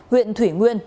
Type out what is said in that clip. huyện thủy nguyên